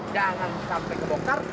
jangan sampai kebokar